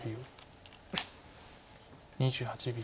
２８秒。